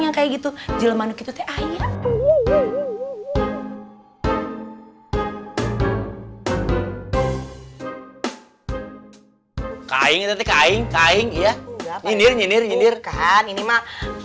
yang kayak gitu jelemanu gitu teh ayah kain kain kain ya ini nyanyir nyanyir kan ini mah